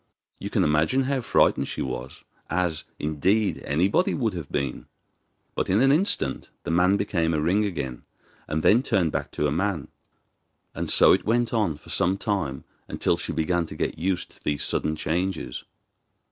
You can imagine how frightened she was, as, indeed, anybody would have been; but in an instant the man became a ring again, and then turned back to a man, and so it went on for some time until she began to get used to these sudden changes.